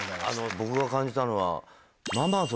僕が感じたのは。